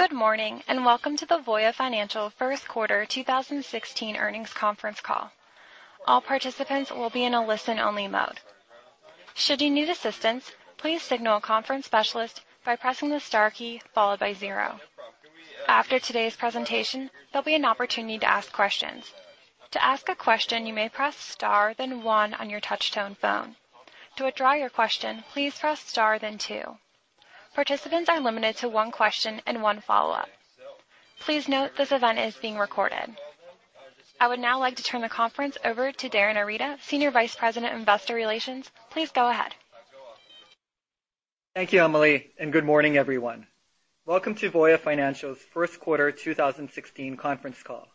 Good morning, welcome to the Voya Financial first quarter 2016 earnings conference call. All participants will be in a listen-only mode. Should you need assistance, please signal a conference specialist by pressing the star key followed by zero. After today's presentation, there'll be an opportunity to ask questions. To ask a question, you may press star then one on your touch-tone phone. To withdraw your question, please press star then two. Participants are limited to one question and one follow-up. Please note this event is being recorded. I would now like to turn the conference over to Darin Arita, Senior Vice President of Investor Relations. Please go ahead. Thank you, Emily, good morning, everyone. Welcome to Voya Financial's first quarter 2016 conference call.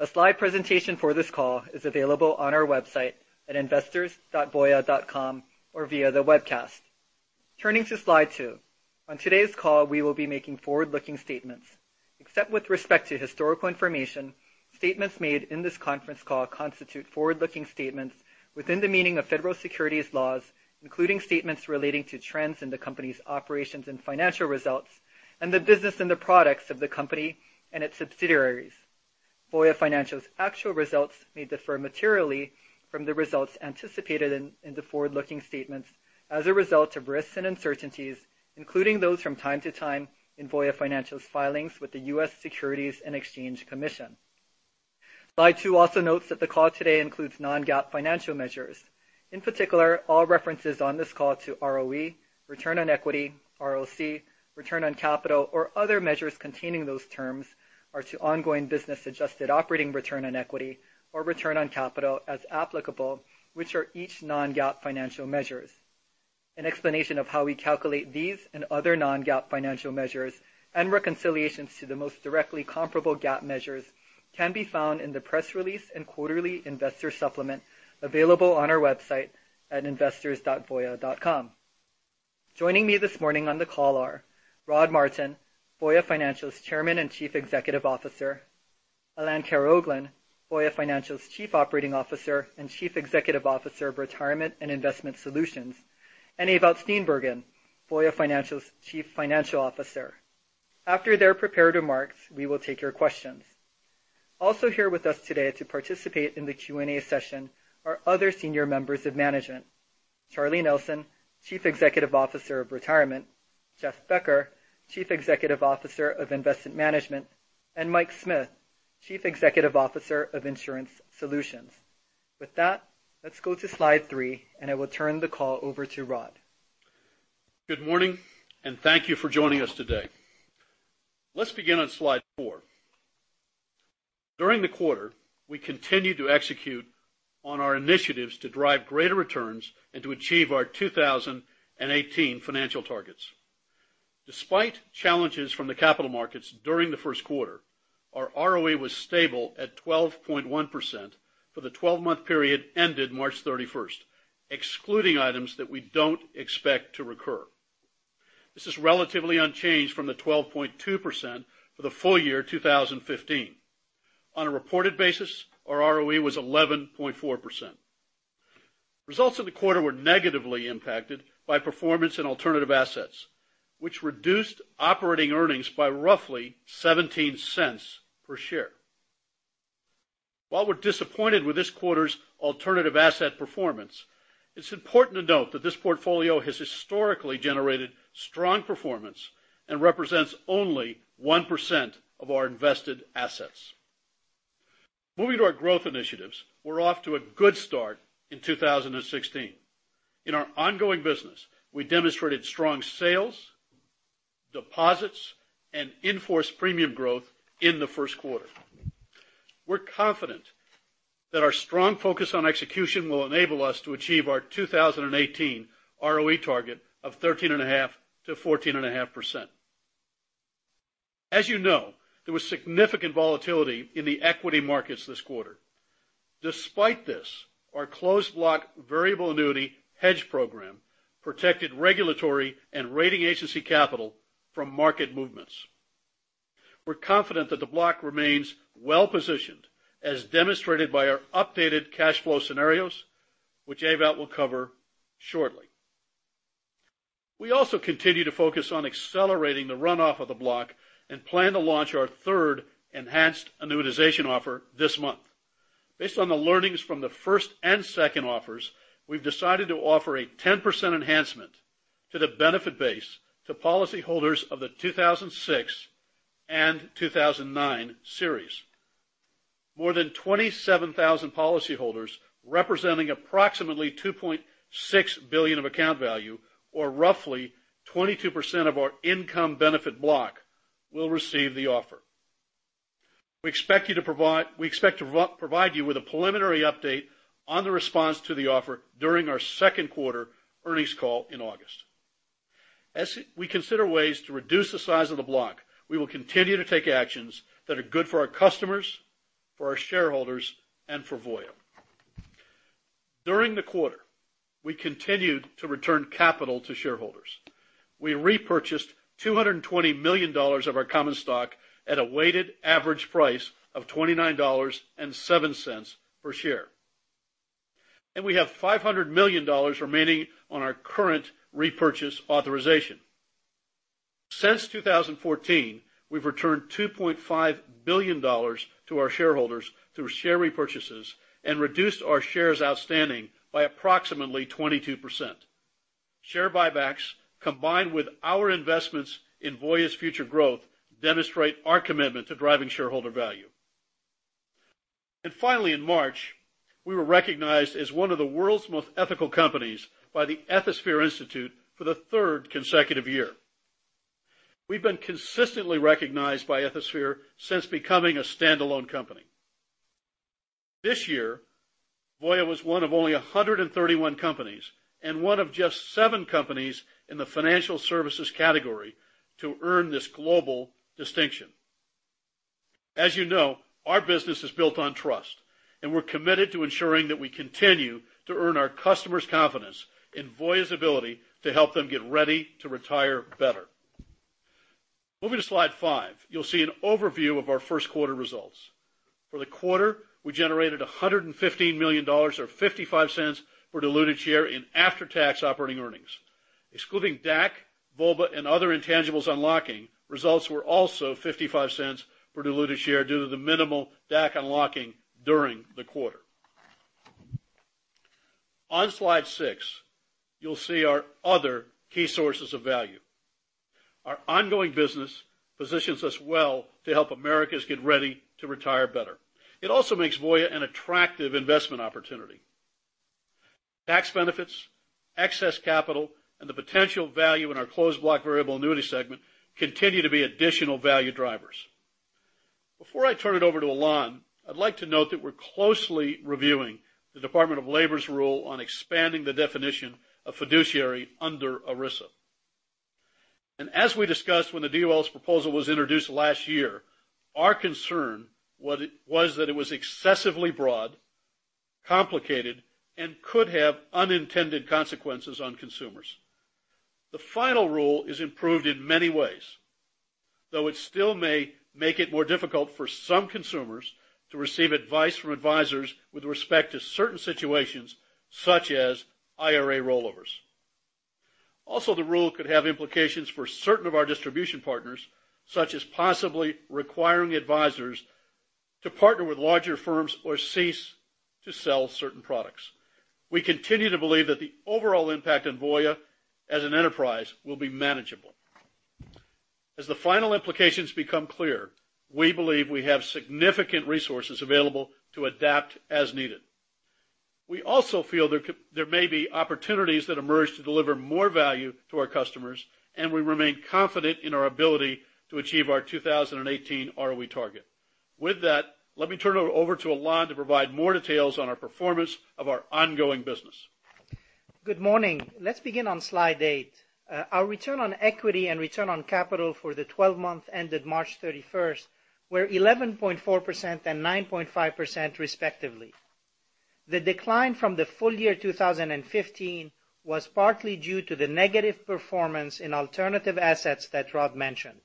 A slide presentation for this call is available on our website at investors.voya.com or via the webcast. Turning to slide two. On today's call, we will be making forward-looking statements. Except with respect to historical information, statements made in this conference call constitute forward-looking statements within the meaning of federal securities laws, including statements relating to trends in the company's operations and financial results and the business and the products of the company and its subsidiaries. Voya Financial's actual results may differ materially from the results anticipated in the forward-looking statements as a result of risks and uncertainties, including those from time to time in Voya Financial's filings with the U.S. Securities and Exchange Commission. Slide two also notes that the call today includes non-GAAP financial measures. In particular, all references on this call to ROE, return on equity, ROC, return on capital, or other measures containing those terms are to ongoing business adjusted operating return on equity or return on capital as applicable, which are each non-GAAP financial measures. An explanation of how we calculate these and other non-GAAP financial measures and reconciliations to the most directly comparable GAAP measures can be found in the press release and quarterly investor supplement available on our website at investors.voya.com. Joining me this morning on the call are Rod Martin, Voya Financial's Chairman and Chief Executive Officer, Alain Karaoglan, Voya Financial's Chief Operating Officer and Chief Executive Officer of Retirement and Investment Solutions, and Ewout Steenbergen, Voya Financial's Chief Financial Officer. After their prepared remarks, we will take your questions. Also here with us today to participate in the Q&A session are other senior members of management, Charlie Nelson, Chief Executive Officer of Retirement, Jeff Becker, Chief Executive Officer of Investment Management, and Mike Smith, Chief Executive Officer of Insurance Solutions. With that, let's go to slide three, I will turn the call over to Rod. Good morning, and thank you for joining us today. Let's begin on slide four. During the quarter, we continued to execute on our initiatives to drive greater returns and to achieve our 2018 financial targets. Despite challenges from the capital markets during the first quarter, our ROE was stable at 12.1% for the 12-month period ended March 31st, excluding items that we don't expect to recur. This is relatively unchanged from the 12.2% for the full year 2015. On a reported basis, our ROE was 11.4%. Results of the quarter were negatively impacted by performance in alternative assets, which reduced operating earnings by roughly $0.17 per share. While we're disappointed with this quarter's alternative asset performance, it's important to note that this portfolio has historically generated strong performance and represents only 1% of our invested assets. Moving to our growth initiatives, we're off to a good start in 2016. In our ongoing business, we demonstrated strong sales, deposits, and in-force premium growth in the first quarter. We're confident that our strong focus on execution will enable us to achieve our 2018 ROE target of 13.5%-14.5%. As you know, there was significant volatility in the equity markets this quarter. Despite this, our Closed Block Variable Annuity hedge program protected regulatory and rating agency capital from market movements. We're confident that the block remains well-positioned, as demonstrated by our updated cash flow scenarios, which Ewout will cover shortly. We also continue to focus on accelerating the runoff of the block and plan to launch our third enhanced annuitization offer this month. Based on the learnings from the first and second offers, we've decided to offer a 10% enhancement to the benefit base to policyholders of the 2006 and 2009 series. More than 27,000 policyholders, representing approximately $2.6 billion of account value or roughly 22% of our income benefit block, will receive the offer. We expect to provide you with a preliminary update on the response to the offer during our second quarter earnings call in August. As we consider ways to reduce the size of the block, we will continue to take actions that are good for our customers, for our shareholders, and for Voya. During the quarter, we continued to return capital to shareholders. We repurchased $220 million of our common stock at a weighted average price of $29.07 per share. We have $500 million remaining on our current repurchase authorization. Since 2014, we've returned $2.5 billion to our shareholders through share repurchases and reduced our shares outstanding by approximately 22%. Share buybacks, combined with our investments in Voya's future growth, demonstrate our commitment to driving shareholder value. Finally, in March, we were recognized as one of the world's most ethical companies by the Ethisphere Institute for the third consecutive year. We've been consistently recognized by Ethisphere since becoming a standalone company. This year, Voya was one of only 131 companies and one of just seven companies in the financial services category to earn this global distinction. As you know, our business is built on trust, and we're committed to ensuring that we continue to earn our customers' confidence in Voya's ability to help them get ready to retire better. Moving to slide five, you'll see an overview of our first quarter results. For the quarter, we generated $115 million, or $0.55 per diluted share in after-tax operating earnings. Excluding DAC, VOBA and other intangibles unlocking, results were also $0.55 per diluted share due to the minimal DAC unlocking during the quarter. On slide six, you'll see our other key sources of value. Our ongoing business positions us well to help Americans get ready to retire better. It also makes Voya an attractive investment opportunity. Tax benefits, excess capital, and the potential value in our Closed Block Variable Annuity segment continue to be additional value drivers. Before I turn it over to Alain, I'd like to note that we're closely reviewing the U.S. Department of Labor's rule on expanding the definition of fiduciary under ERISA. As we discussed when the DOL's proposal was introduced last year, our concern was that it was excessively broad, complicated, and could have unintended consequences on consumers. The final rule is improved in many ways, though it still may make it more difficult for some consumers to receive advice from advisors with respect to certain situations such as IRA rollovers. Also, the rule could have implications for certain of our distribution partners, such as possibly requiring advisors to partner with larger firms or cease to sell certain products. We continue to believe that the overall impact on Voya as an enterprise will be manageable. As the final implications become clear, we believe we have significant resources available to adapt as needed. We also feel there may be opportunities that emerge to deliver more value to our customers, and we remain confident in our ability to achieve our 2018 ROE target. With that, let me turn it over to Alain to provide more details on our performance of our ongoing business. Good morning. Let's begin on slide eight. Our return on equity and return on capital for the 12 month ended March 31st were 11.4% and 9.5% respectively. The decline from the full year 2015 was partly due to the negative performance in alternative assets that Rod mentioned.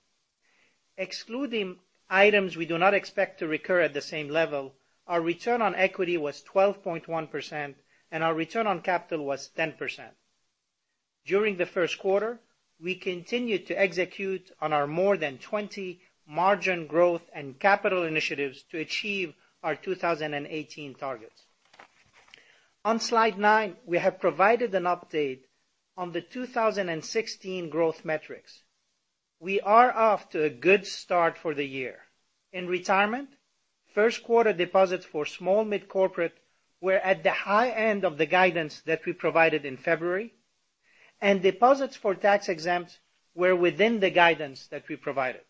Excluding items we do not expect to recur at the same level, our return on equity was 12.1% and our return on capital was 10%. During the first quarter, we continued to execute on our more than 20 margin growth and capital initiatives to achieve our 2018 targets. On slide nine, we have provided an update on the 2016 growth metrics. We are off to a good start for the year. In retirement, first quarter deposits for small/mid-corporate were at the high end of the guidance that we provided in February, and deposits for tax-exempt were within the guidance that we provided.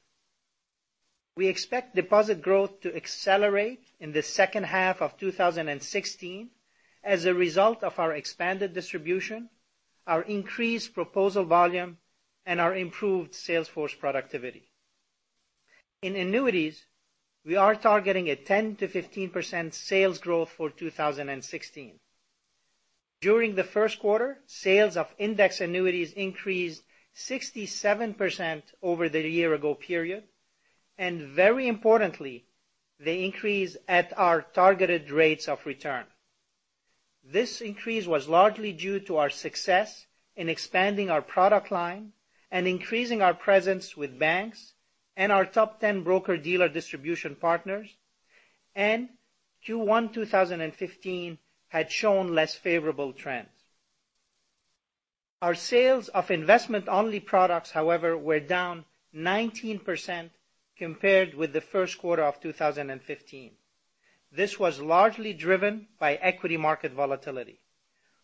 We expect deposit growth to accelerate in the second half of 2016 as a result of our expanded distribution, our increased proposal volume, and our improved sales force productivity. In annuities, we are targeting a 10%-15% sales growth for 2016. During the first quarter, sales of index annuities increased 67% over the year ago period, and very importantly, they increased at our targeted rates of return. This increase was largely due to our success in expanding our product line and increasing our presence with banks and our top 10 broker-dealer distribution partners, and Q1 2015 had shown less favorable trends. Our sales of investment-only products, however, were down 19% compared with the first quarter of 2015. This was largely driven by equity market volatility.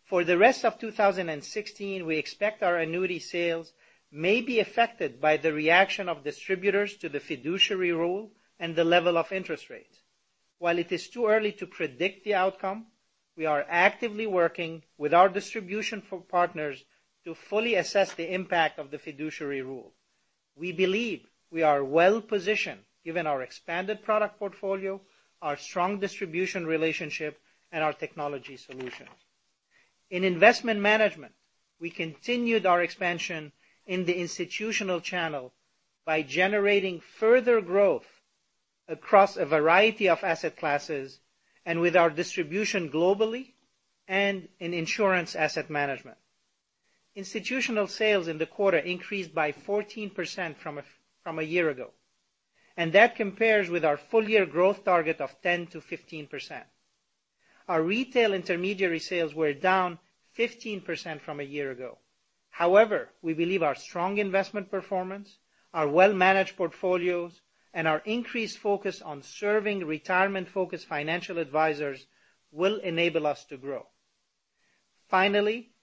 For the rest of 2016, we expect our annuity sales may be affected by the reaction of distributors to the fiduciary rule and the level of interest rates. While it is too early to predict the outcome, we are actively working with our distribution partners to fully assess the impact of the fiduciary rule. We believe we are well positioned given our expanded product portfolio, our strong distribution relationship, and our technology solution. In investment management, we continued our expansion in the institutional channel by generating further growth across a variety of asset classes and with our distribution globally and in insurance asset management. Institutional sales in the quarter increased by 14% from a year ago, and that compares with our full year growth target of 10%-15%. Our retail intermediary sales were down 15% from a year ago. We believe our strong investment performance, our well-managed portfolios, and our increased focus on serving retirement-focused financial advisors will enable us to grow.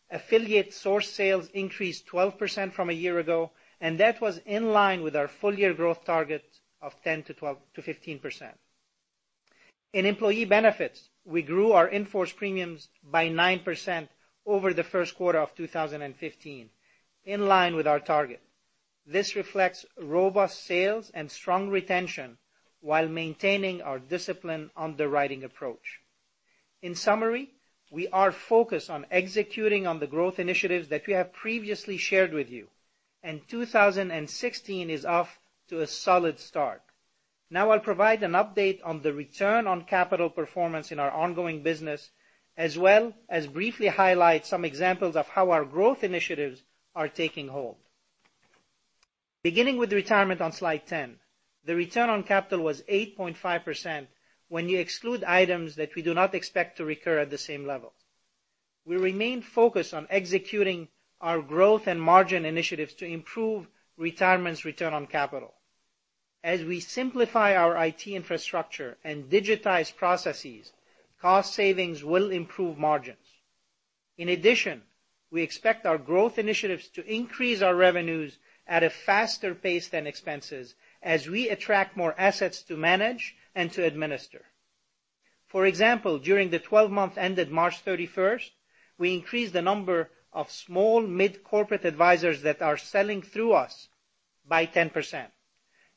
Affiliate source sales increased 12% from a year ago, and that was in line with our full year growth target of 10%-15%. In employee benefits, we grew our in-force premiums by 9% over the first quarter of 2015, in line with our target. This reflects robust sales and strong retention while maintaining our disciplined underwriting approach. We are focused on executing on the growth initiatives that we have previously shared with you, and 2016 is off to a solid start. I'll provide an update on the return on capital performance in our ongoing business, as well as briefly highlight some examples of how our growth initiatives are taking hold. Beginning with retirement on slide 10, the return on capital was 8.5% when you exclude items that we do not expect to recur at the same level. We remain focused on executing our growth and margin initiatives to improve retirement's return on capital. As we simplify our IT infrastructure and digitize processes, cost savings will improve margins. In addition, we expect our growth initiatives to increase our revenues at a faster pace than expenses as we attract more assets to manage and to administer. For example, during the 12 months ended March 31st, we increased the number of small, mid-corporate advisors that are selling through us by 10%.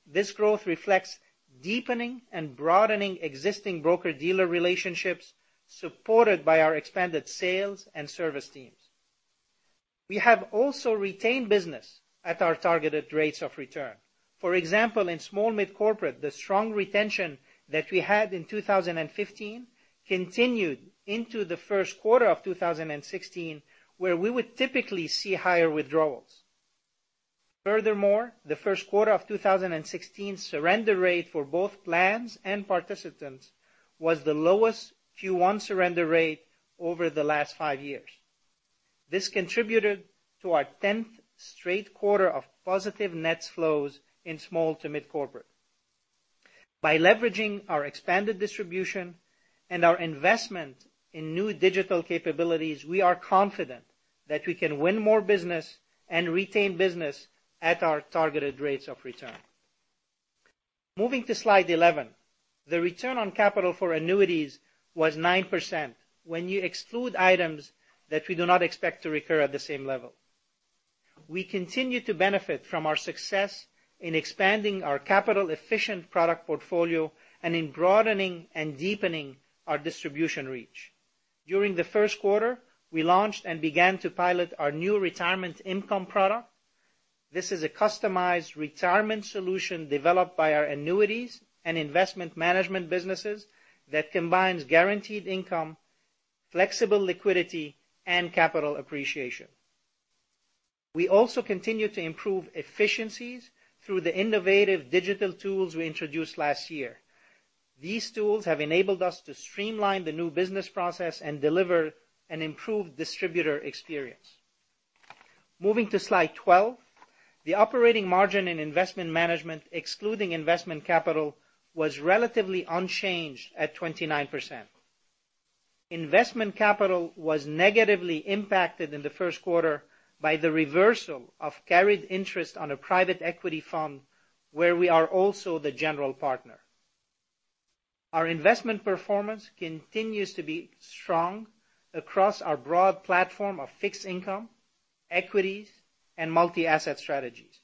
This growth reflects deepening and broadening existing broker-dealer relationships supported by our expanded sales and service teams. We have also retained business at our targeted rates of return. For example, in small mid-corporate, the strong retention that we had in 2015 continued into the first quarter of 2016, where we would typically see higher withdrawals. Furthermore, the first quarter of 2016 surrender rate for both plans and participants was the lowest Q1 surrender rate over the last five years. This contributed to our 10th straight quarter of positive net flows in small to mid-corporate. By leveraging our expanded distribution and our investment in new digital capabilities, we are confident that we can win more business and retain business at our targeted rates of return. Moving to slide 11, the return on capital for annuities was 9% when you exclude items that we do not expect to recur at the same level. We continue to benefit from our success in expanding our capital efficient product portfolio and in broadening and deepening our distribution reach. During the first quarter, we launched and began to pilot our new retirement income product. This is a customized retirement solution developed by our annuities and investment management businesses that combines guaranteed income, flexible liquidity, and capital appreciation. We also continue to improve efficiencies through the innovative digital tools we introduced last year. These tools have enabled us to streamline the new business process and deliver an improved distributor experience. Moving to slide 12, the operating margin in investment management, excluding investment capital, was relatively unchanged at 29%. Investment capital was negatively impacted in the first quarter by the reversal of carried interest on a private equity fund where we are also the general partner. Our investment performance continues to be strong across our broad platform of fixed income, equities, and multi-asset strategies.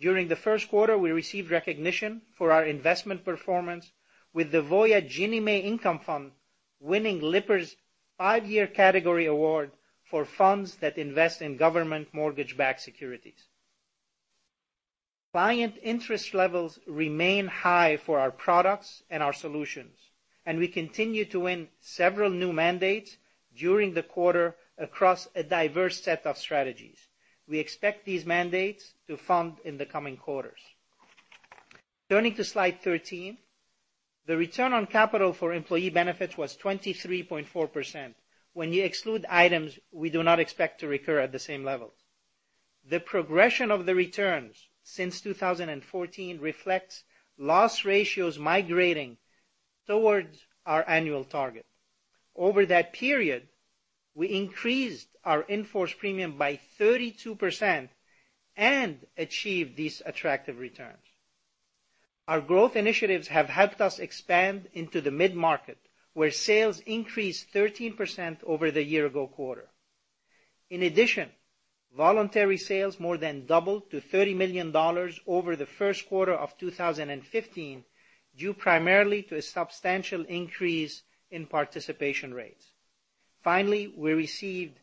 During the first quarter, we received recognition for our investment performance with the Voya GNMA Income Fund winning Lipper's five-year category award for funds that invest in government mortgage-backed securities. Client interest levels remain high for our products and our solutions, and we continue to win several new mandates during the quarter across a diverse set of strategies. We expect these mandates to fund in the coming quarters. Turning to slide 13, the return on capital for employee benefits was 23.4% when you exclude items we do not expect to recur at the same level. The progression of the returns since 2014 reflects loss ratios migrating towards our annual target. Over that period, we increased our in-force premium by 32% and achieved these attractive returns. Our growth initiatives have helped us expand into the mid-market, where sales increased 13% over the year ago quarter. In addition, voluntary sales more than doubled to $30 million over the first quarter of 2015, due primarily to a substantial increase in participation rates. Finally, we received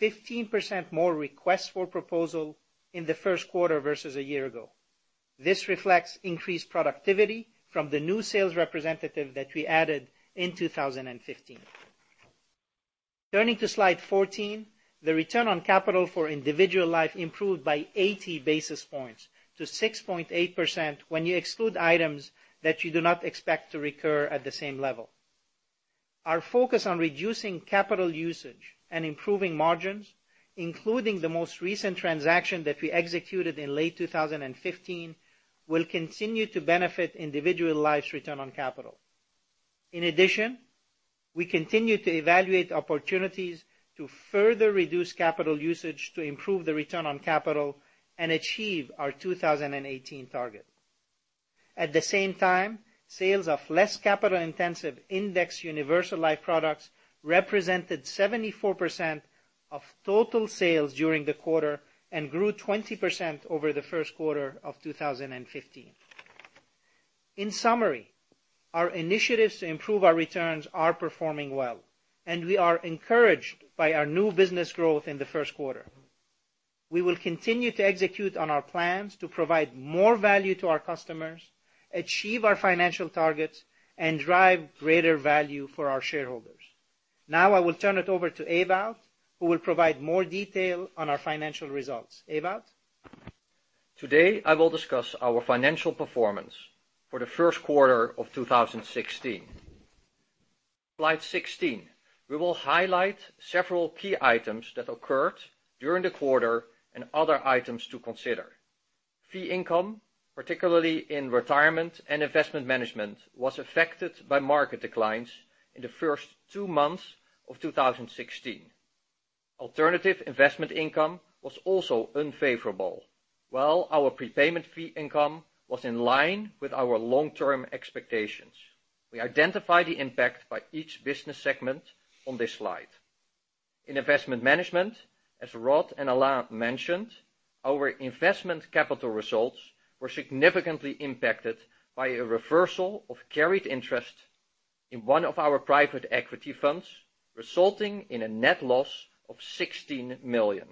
15% more requests for proposal in the first quarter versus a year ago. This reflects increased productivity from the new sales representative that we added in 2015. Turning to slide 14, the return on capital for individual life improved by 80 basis points to 6.8% when you exclude items that you do not expect to recur at the same level. Our focus on reducing capital usage and improving margins, including the most recent transaction that we executed in late 2015, will continue to benefit individual life's return on capital. In addition, we continue to evaluate opportunities to further reduce capital usage to improve the return on capital and achieve our 2018 target. At the same time, sales of less capital-intensive indexed universal life products represented 74% of total sales during the quarter and grew 20% over the first quarter of 2015. In summary, our initiatives to improve our returns are performing well, and we are encouraged by our new business growth in the first quarter. We will continue to execute on our plans to provide more value to our customers, achieve our financial targets, and drive greater value for our shareholders. Now I will turn it over to Ewout, who will provide more detail on our financial results. Ewout? Today, I will discuss our financial performance for the first quarter of 2016. Slide 16, we will highlight several key items that occurred during the quarter and other items to consider. Fee income, particularly in retirement and investment management, was affected by market declines in the first two months of 2016. Alternative investment income was also unfavorable, while our prepayment fee income was in line with our long-term expectations. We identify the impact by each business segment on this slide. In investment management, as Rod and Alain mentioned, our investment capital results were significantly impacted by a reversal of carried interest in one of our private equity funds, resulting in a net loss of $16 million.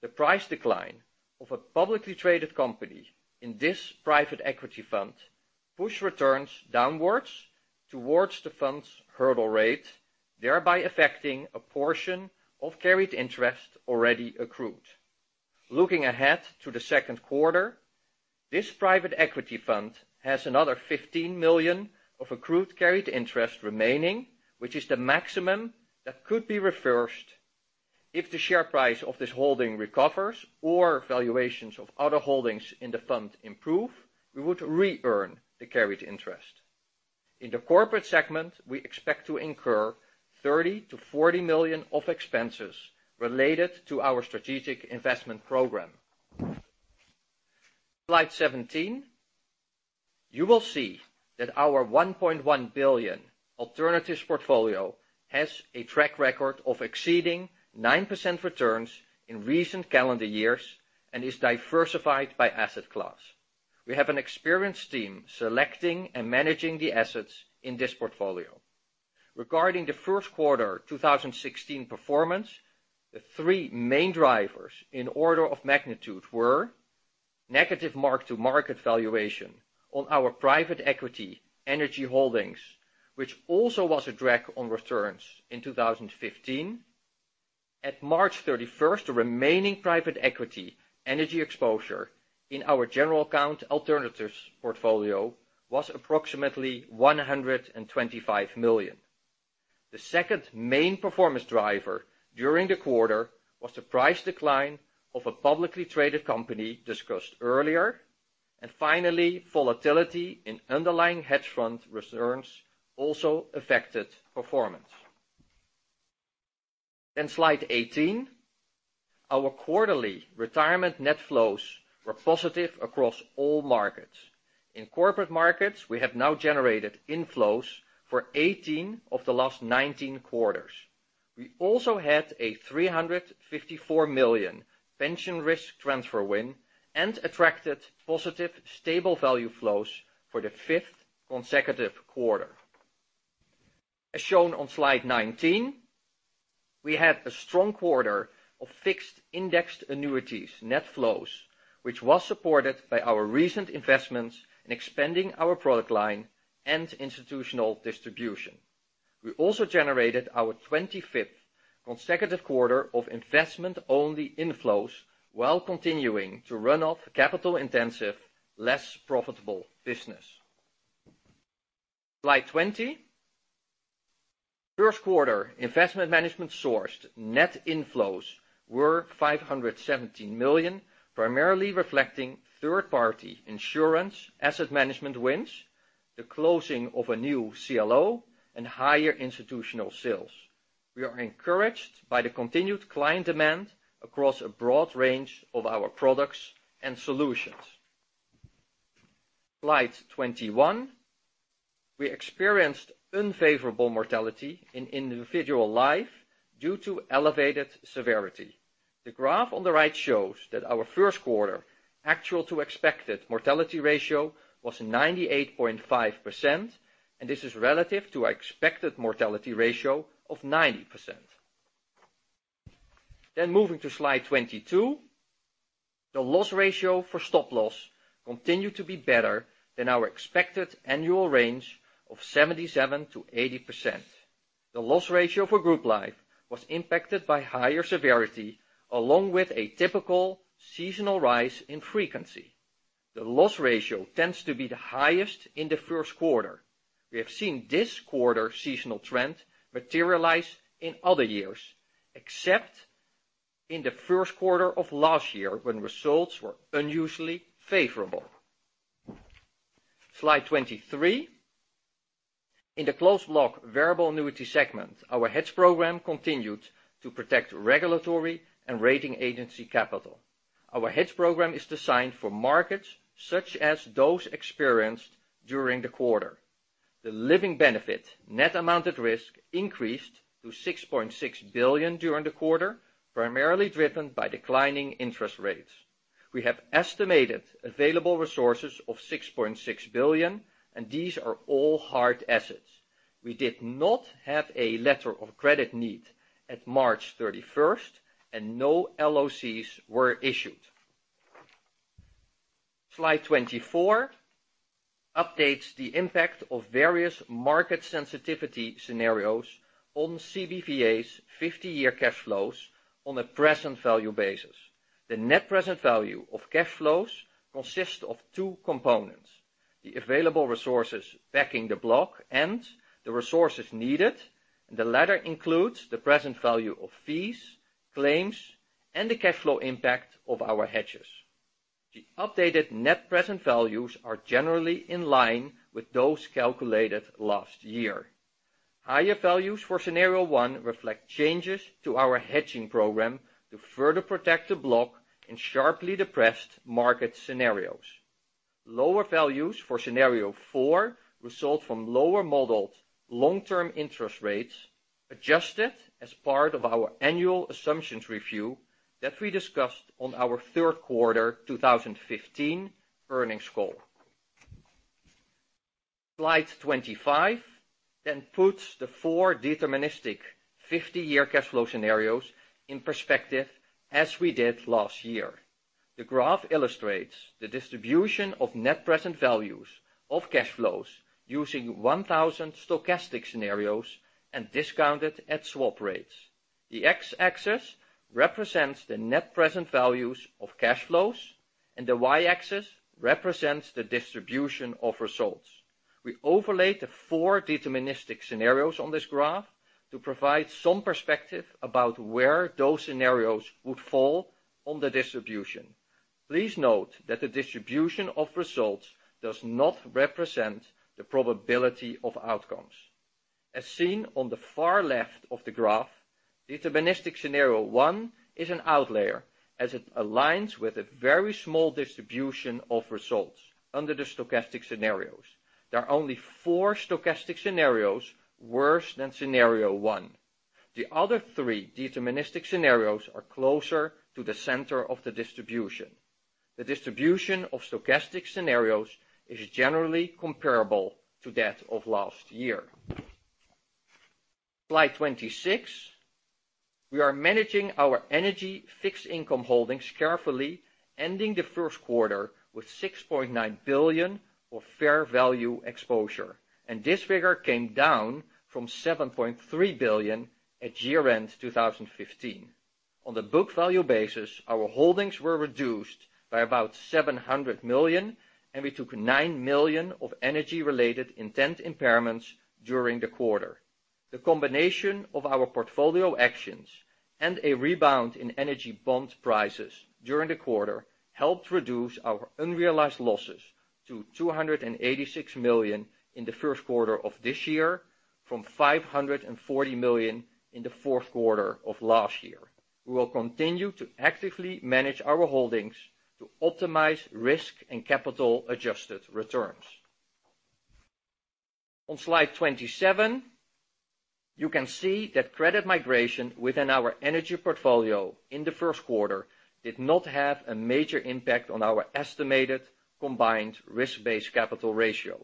The price decline of a publicly traded company in this private equity fund pushed returns downwards towards the fund's hurdle rate, thereby affecting a portion of carried interest already accrued. Looking ahead to the second quarter, this private equity fund has another $15 million of accrued carried interest remaining, which is the maximum that could be reversed. If the share price of this holding recovers or valuations of other holdings in the fund improve, we would re-earn the carried interest. In the corporate segment, we expect to incur $30 million-$40 million of expenses related to our strategic investment program. Slide 17, you will see that our $1.1 billion alternatives portfolio has a track record of exceeding 9% returns in recent calendar years and is diversified by asset class. We have an experienced team selecting and managing the assets in this portfolio. Regarding the first quarter 2016 performance, the three main drivers in order of magnitude were negative mark-to-market valuation on our private equity energy holdings, which also was a drag on returns in 2015. At March 31st, the remaining private equity energy exposure in our general account alternatives portfolio was approximately $125 million. The second main performance driver during the quarter was the price decline of a publicly traded company discussed earlier. Finally, volatility in underlying hedge fund returns also affected performance. Slide 18, our quarterly retirement net flows were positive across all markets. In corporate markets, we have now generated inflows for 18 of the last 19 quarters. We also had a $354 million pension risk transfer win and attracted positive stable value flows for the fifth consecutive quarter. As shown on Slide 19, we had a strong quarter of fixed indexed annuities net flows, which was supported by our recent investments in expanding our product line and institutional distribution. We also generated our 25th consecutive quarter of investment-only inflows while continuing to run off capital-intensive, less profitable business. Slide 20. First quarter investment management sourced net inflows were $517 million, primarily reflecting third-party insurance asset management wins, the closing of a new CLO, and higher institutional sales. We are encouraged by the continued client demand across a broad range of our products and solutions. Slide 21. We experienced unfavorable mortality in individual life due to elevated severity. The graph on the right shows that our first quarter actual to expected mortality ratio was 98.5%, and this is relative to expected mortality ratio of 90%. Moving to slide 22. The loss ratio for stop-loss continued to be better than our expected annual range of 77%-80%. The loss ratio for group life was impacted by higher severity, along with a typical seasonal rise in frequency. The loss ratio tends to be the highest in the first quarter. We have seen this quarter's seasonal trend materialize in other years, except in the first quarter of last year when results were unusually favorable. Slide 23. In the Closed Block Variable Annuity segment, our hedge program continued to protect regulatory and rating agency capital. Our hedge program is designed for markets such as those experienced during the quarter. The living benefit net amount at risk increased to $6.6 billion during the quarter, primarily driven by declining interest rates. We have estimated available resources of $6.6 billion, and these are all hard assets. We did not have a letter of credit need at March 31st, and no LOCs were issued. Slide 24 updates the impact of various market sensitivity scenarios on CBVA's 50-year cash flows on a present value basis. The net present value of cash flows consists of two components, the available resources backing the block and the resources needed. The latter includes the present value of fees, claims, and the cash flow impact of our hedges. The updated net present values are generally in line with those calculated last year. Higher values for scenario 1 reflect changes to our hedging program to further protect the block in sharply depressed market scenarios. Lower values for scenario 4 result from lower modeled long-term interest rates, adjusted as part of our annual assumptions review that we discussed on our third quarter 2015 earnings call. Slide 25 puts the 4 deterministic 50-year cash flow scenarios in perspective as we did last year. The graph illustrates the distribution of net present values of cash flows using 1,000 stochastic scenarios and discounted at swap rates. The x-axis represents the net present values of cash flows, and the y-axis represents the distribution of results. We overlay the 4 deterministic scenarios on this graph to provide some perspective about where those scenarios would fall on the distribution. Please note that the distribution of results does not represent the probability of outcomes. As seen on the far left of the graph, deterministic scenario 1 is an outlier as it aligns with a very small distribution of results under the stochastic scenarios. There are only 4 stochastic scenarios worse than scenario 1. The other 3 deterministic scenarios are closer to the center of the distribution. The distribution of stochastic scenarios is generally comparable to that of last year. Slide 26. We are managing our energy fixed income holdings carefully, ending the first quarter with $6.9 billion of fair value exposure. This figure came down from $7.3 billion at year-end 2015. On the book value basis, our holdings were reduced by about $700 million, and we took $9 million of energy-related intent impairments during the quarter. The combination of our portfolio actions and a rebound in energy bond prices during the quarter helped reduce our unrealized losses to $286 million in the first quarter of this year from $540 million in the fourth quarter of last year. We will continue to actively manage our holdings to optimize risk and capital adjusted returns. On slide 27, you can see that credit migration within our energy portfolio in the first quarter did not have a major impact on our estimated combined risk-based capital ratio.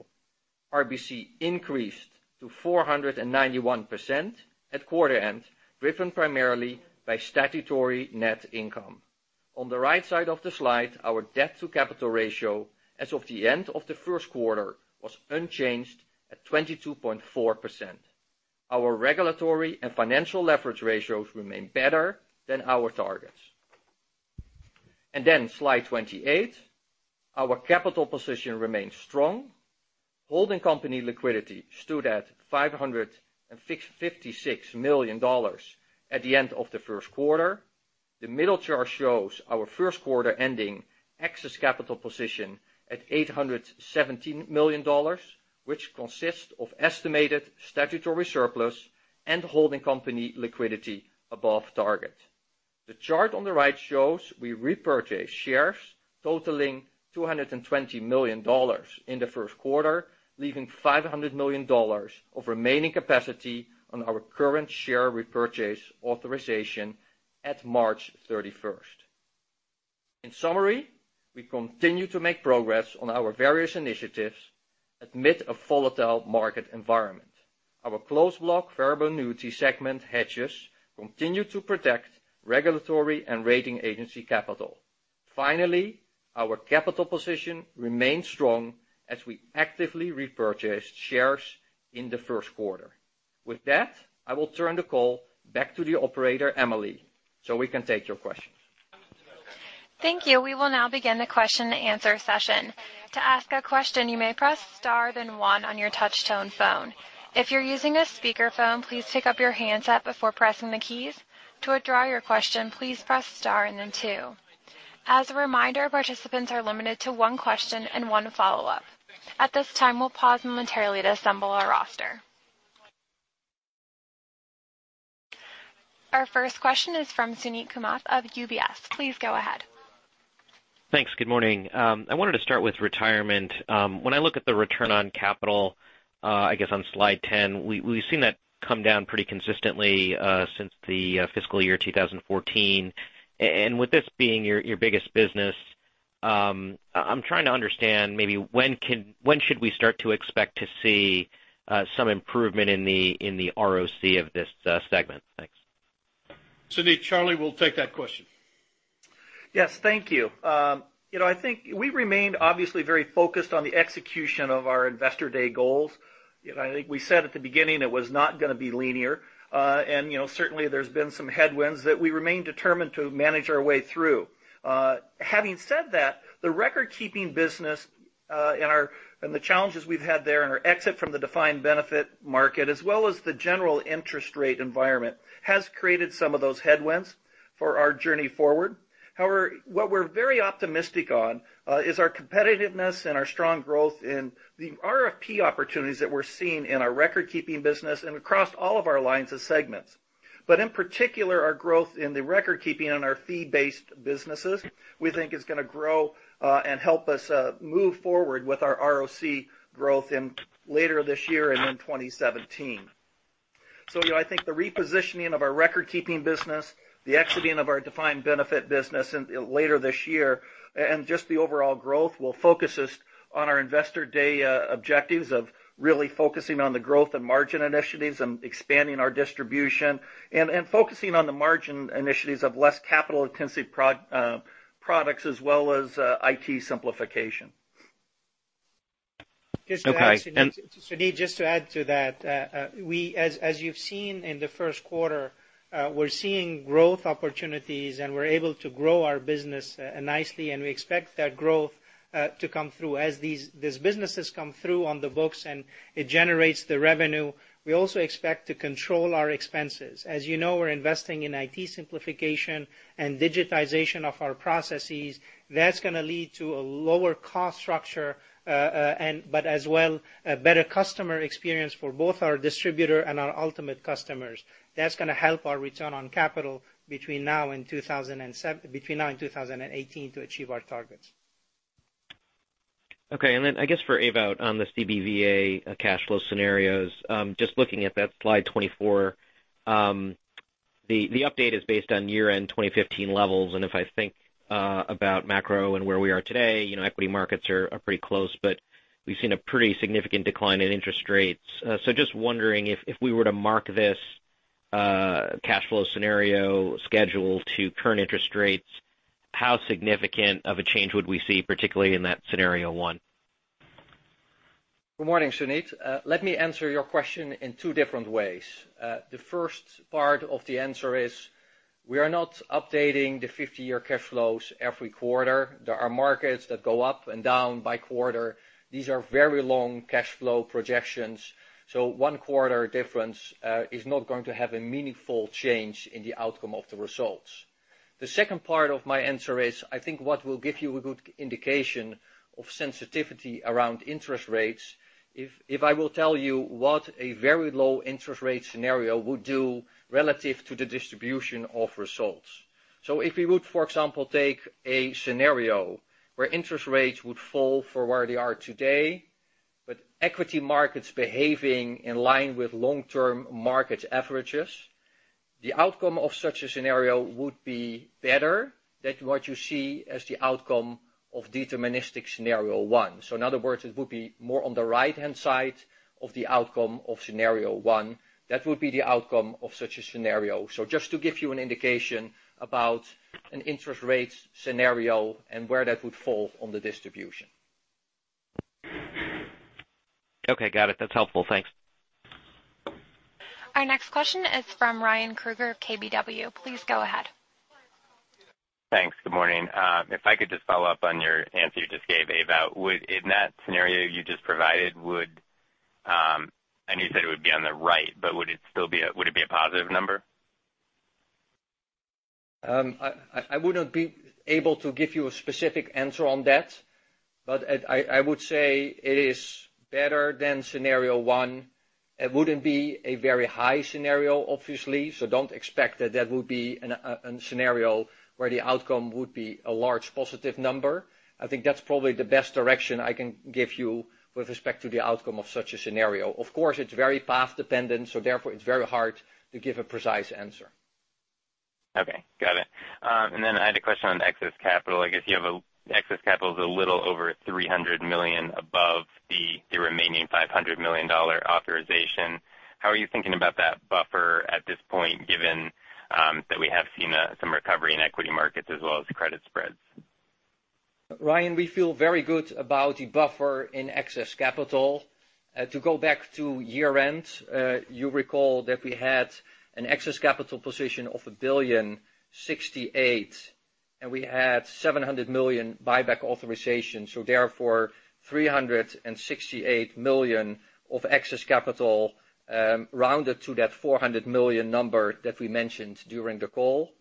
RBC increased to 491% at quarter end, driven primarily by statutory net income. On the right side of the slide, our debt to capital ratio as of the end of the first quarter was unchanged at 22.4%. Our regulatory and financial leverage ratios remain better than our targets. Slide 28, our capital position remains strong. Holding company liquidity stood at $556 million at the end of the first quarter. The middle chart shows our first quarter ending excess capital position at $817 million, which consists of estimated statutory surplus and holding company liquidity above target. The chart on the right shows we repurchased shares totaling $220 million in the first quarter, leaving $500 million of remaining capacity on our current share repurchase authorization at March 31st. In summary, we continue to make progress on our various initiatives amid a volatile market environment. Our Closed Block Variable Annuity segment hedges continue to protect regulatory and rating agency capital. Finally, our capital position remains strong as we actively repurchased shares in the first quarter. With that, I will turn the call back to the operator, Emily, so we can take your questions. Thank you. We will now begin the question and answer session. To ask a question, you may press star then one on your touch-tone phone. If you're using a speakerphone, please pick up your handset before pressing the keys. To withdraw your question, please press star and then two. As a reminder, participants are limited to one question and one follow-up. At this time, we'll pause momentarily to assemble our roster. Our first question is from Suneet Kamath of UBS. Please go ahead. Thanks. Good morning. I wanted to start with retirement. When I look at the return on capital, I guess on slide 10, we've seen that come down pretty consistently, since the fiscal year 2014. With this being your biggest business, I'm trying to understand maybe when should we start to expect to see some improvement in the ROC of this segment? Thanks. Suneet, Charlie will take that question. Yes. Thank you. I think we remained obviously very focused on the execution of our investor day goals. I think we said at the beginning it was not going to be linear. Certainly there's been some headwinds that we remain determined to manage our way through. Having said that, the record-keeping business and the challenges we've had there in our exit from the defined benefit market, as well as the general interest rate environment, has created some of those headwinds for our journey forward. However, what we're very optimistic on is our competitiveness and our strong growth in the RFP opportunities that we're seeing in our record-keeping business and across all of our lines of segments. In particular, our growth in the record keeping and our fee-based businesses, we think is going to grow, and help us move forward with our ROC growth in later this year and in 2017. I think the repositioning of our record-keeping business, the exiting of our defined benefit business later this year, and just the overall growth will focus us on our investor day objectives of really focusing on the growth and margin initiatives and expanding our distribution and focusing on the margin initiatives of less capital-intensive products as well as IT simplification. Okay. Suneet, just to add to that, as you've seen in the first quarter, we're seeing growth opportunities, and we're able to grow our business nicely, and we expect that growth to come through. As these businesses come through on the books and it generates the revenue, we also expect to control our expenses. As you know, we're investing in IT simplification and digitization of our processes. That's going to lead to a lower cost structure, but as well, a better customer experience for both our distributor and our ultimate customers. That's going to help our return on capital between now and 2018 to achieve our targets. Okay. I guess for Ewout on the CBVA cash flow scenarios, just looking at that slide 24, the update is based on year-end 2015 levels. If I think about macro and where we are today, equity markets are pretty close, but we've seen a pretty significant decline in interest rates. Just wondering if we were to mark this cash flow scenario schedule to current interest rates, how significant of a change would we see, particularly in that scenario 1? Good morning, Suneet. Let me answer your question in two different ways. The first part of the answer is we are not updating the 50-year cash flows every quarter. There are markets that go up and down by quarter. These are very long cash flow projections. One quarter difference is not going to have a meaningful change in the outcome of the results. The second part of my answer is, I think what will give you a good indication of sensitivity around interest rates, if I will tell you what a very low interest rate scenario would do relative to the distribution of results. If we would, for example, take a scenario where interest rates would fall for where they are today, equity markets behaving in line with long-term market averages, the outcome of such a scenario would be better than what you see as the outcome of deterministic scenario one. In other words, it would be more on the right-hand side of the outcome of scenario one. That would be the outcome of such a scenario. Just to give you an indication about an interest rate scenario and where that would fall on the distribution. Okay, got it. That's helpful. Thanks. Our next question is from Ryan Krueger of KBW. Please go ahead. Thanks. Good morning. If I could just follow up on your answer you just gave, Ewout. In that scenario you just provided, I know you said it would be on the right, would it be a positive number? I wouldn't be able to give you a specific answer on that. I would say it is better than scenario one. It wouldn't be a very high scenario, obviously. Don't expect that would be a scenario where the outcome would be a large positive number. I think that's probably the best direction I can give you with respect to the outcome of such a scenario. Of course, it's very path dependent, therefore it's very hard to give a precise answer. Okay, got it. Then I had a question on excess capital. I guess you have excess capital is a little over $300 million above the remaining $500 million authorization. How are you thinking about that buffer at this point, given that we have seen some recovery in equity markets as well as credit spreads? Ryan, we feel very good about the buffer in excess capital. To go back to year-end, you recall that we had an excess capital position of $1,068 million, and we had $700 million buyback authorization. Therefore, $368 million of excess capital, rounded to that $400 million number that we mentioned during the call.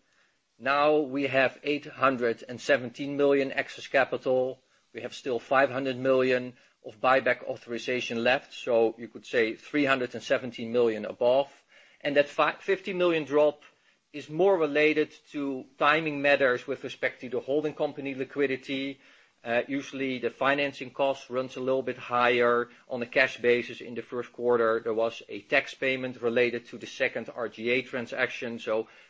Now we have $817 million excess capital. We have still $500 million of buyback authorization left. You could say $317 million above. That $50 million drop is more related to timing matters with respect to the holding company liquidity. Usually, the financing cost runs a little bit higher on a cash basis. In the first quarter, there was a tax payment related to the second RGA transaction.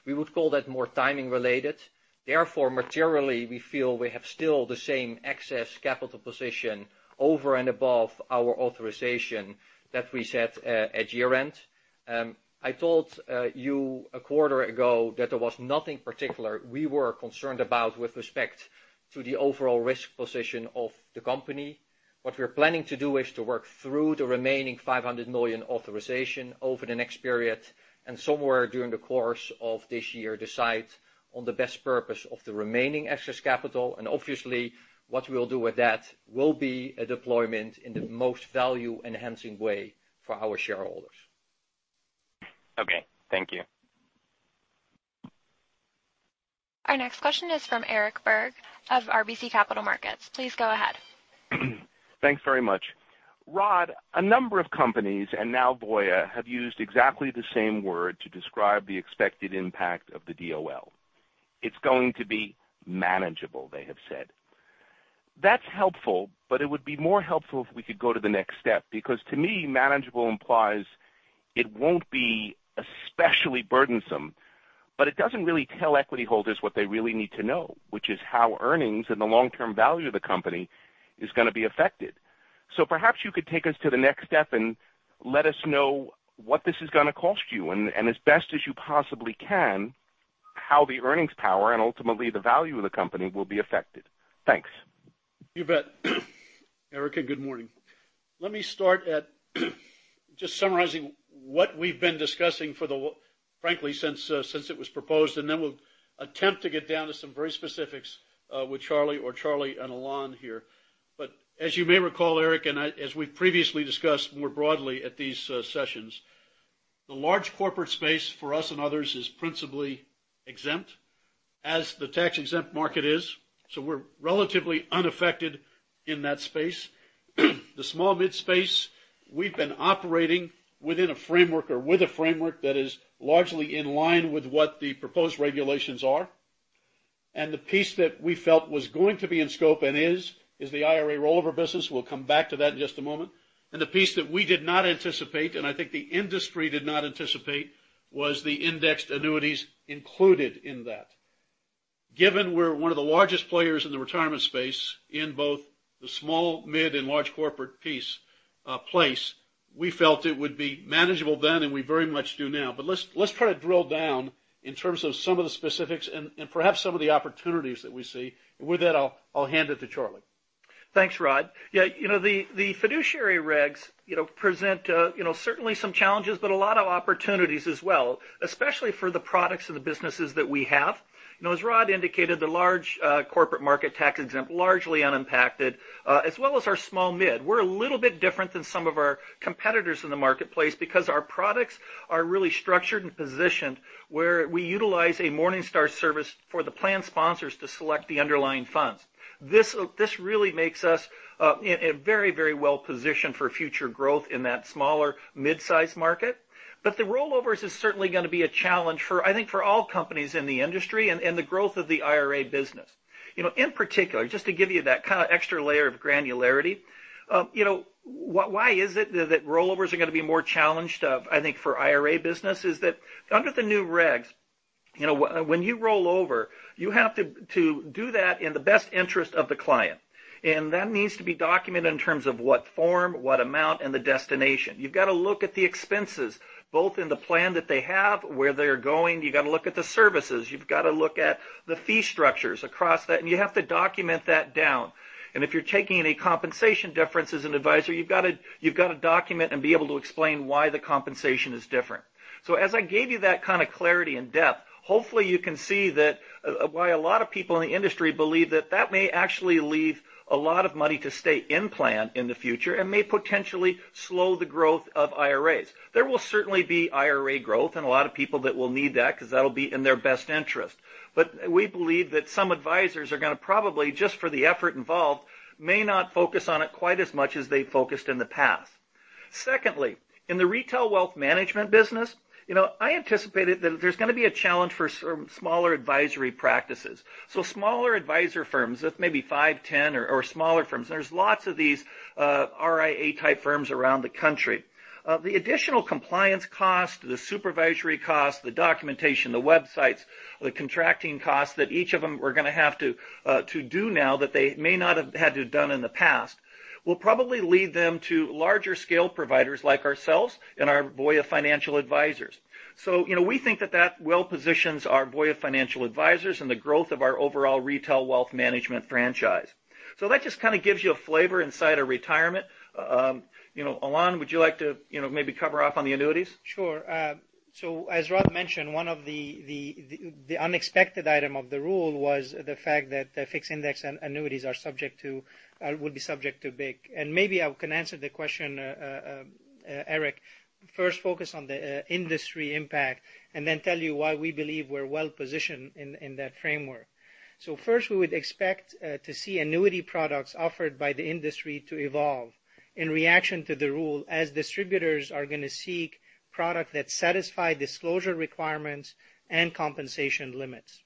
We would call that more timing related. Therefore, materially, we feel we have still the same excess capital position over and above our authorization that we set at year-end. I told you a quarter ago that there was nothing particular we were concerned about with respect to the overall risk position of the company. What we're planning to do is to work through the remaining $500 million authorization over the next period and somewhere during the course of this year, decide on the best purpose of the remaining excess capital. Obviously, what we'll do with that will be a deployment in the most value-enhancing way for our shareholders. Okay. Thank you. Our next question is from Eric Berg of RBC Capital Markets. Please go ahead. Thanks very much. Rod, a number of companies, and now Voya, have used exactly the same word to describe the expected impact of the DOL. It's going to be manageable, they have said. That's helpful, but it would be more helpful if we could go to the next step, because to me, manageable implies it won't be especially burdensome, but it doesn't really tell equity holders what they really need to know, which is how earnings and the long-term value of the company is going to be affected. Perhaps you could take us to the next step and let us know what this is going to cost you, and as best as you possibly can, how the earnings power and ultimately the value of the company will be affected. Thanks. You bet. Eric, good morning. Let me start at just summarizing what we've been discussing, frankly, since it was proposed, then we'll attempt to get down to some very specifics, with Charlie or Charlie and Alain here. As you may recall, Eric, and as we've previously discussed more broadly at these sessions, the large corporate space for us and others is principally exempt, as the tax-exempt market is. We're relatively unaffected in that space. The small mid space, we've been operating within a framework or with a framework that is largely in line with what the proposed regulations are. The piece that we felt was going to be in scope and is the IRA rollover business. We'll come back to that in just a moment. The piece that we did not anticipate, and I think the industry did not anticipate, was the indexed annuities included in that. Given we're one of the largest players in the retirement space in both the small mid and large corporate place, we felt it would be manageable then, and we very much do now. Let's try to drill down in terms of some of the specifics and perhaps some of the opportunities that we see. With that, I'll hand it to Charlie. Thanks, Rod. The fiduciary regs present certainly some challenges, but a lot of opportunities as well, especially for the products and the businesses that we have. As Rod indicated, the large corporate market, tax-exempt, largely unimpacted, as well as our small mid. We're a little bit different than some of our competitors in the marketplace because our products are really structured and positioned where we utilize a Morningstar service for the plan sponsors to select the underlying funds. This really makes us very well-positioned for future growth in that smaller mid-size market. The rollovers is certainly going to be a challenge, I think, for all companies in the industry and the growth of the IRA business. In particular, just to give you that kind of extra layer of granularity, why is it that rollovers are going to be more challenged, I think, for IRA business is that under the new regs when you roll over, you have to do that in the best interest of the client. That needs to be documented in terms of what form, what amount, and the destination. You've got to look at the expenses, both in the plan that they have, where they're going. You got to look at the services. You've got to look at the fee structures across that, and you have to document that down. If you're taking any compensation difference as an advisor, you've got to document and be able to explain why the compensation is different. As I gave you that kind of clarity and depth, hopefully you can see why a lot of people in the industry believe that that may actually leave a lot of money to stay in plan in the future and may potentially slow the growth of IRAs. There will certainly be IRA growth and a lot of people that will need that, because that'll be in their best interest. We believe that some advisors are going to probably, just for the effort involved, may not focus on it quite as much as they focused in the past. Secondly, in the retail wealth management business, I anticipated that there's going to be a challenge for smaller advisory practices. So smaller advisor firms, that's maybe five, 10 or smaller firms. There's lots of these RIA type firms around the country. The additional compliance cost, the supervisory cost, the documentation, the websites, the contracting costs that each of them are going to have to done now that they may not have had to done in the past, will probably lead them to larger scale providers like ourselves and our Voya Financial Advisors. We think that that well positions our Voya Financial Advisors and the growth of our overall retail wealth management franchise. That just kind of gives you a flavor inside of retirement. Alain, would you like to maybe cover off on the annuities? Sure. As Rod mentioned, one of the unexpected item of the rule was the fact that fixed indexed annuities would be subject to BIC. Maybe I can answer the question, Eric, first focus on the industry impact and then tell you why we believe we're well-positioned in that framework. First, we would expect to see annuity products offered by the industry to evolve in reaction to the rule as distributors are going to seek product that satisfy disclosure requirements and compensation limits.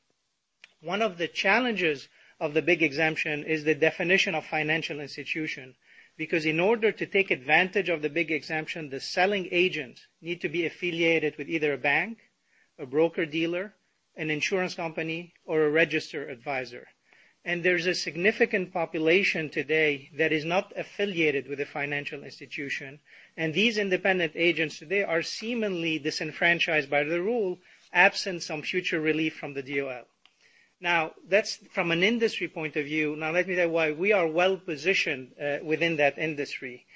One of the challenges of the BIC exemption is the definition of financial institution, because in order to take advantage of the BIC exemption, the selling agent need to be affiliated with either a bank, a broker-dealer, an insurance company, or a registered advisor. There's a significant population today that is not affiliated with a financial institution. These independent agents today are seemingly disenfranchised by the rule, absent some future relief from the DOL. That's from an industry point of view. Let me tell you why we are well-positioned within that industry.